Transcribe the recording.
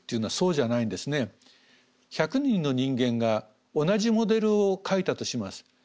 １００人の人間が同じモデルを描いたとします。